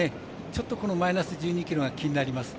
ちょっとマイナス１２ｋｇが気になります。